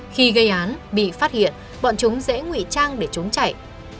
khi gây án bị phát hiện bọn chúng dễ nguy trang để trốn chạy